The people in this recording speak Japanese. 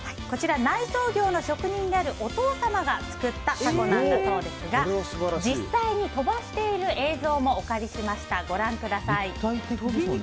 こちら内装業の職人であるお父様が作ったたこだそうですが実際に飛ばしている映像もお借りしました。